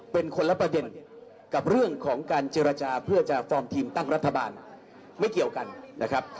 เป็นคนละประเด็นกับเรื่องของการเจรจาเพื่อจะฟอร์มทีมตั้งรัฐบาลไม่เกี่ยวกันนะครับ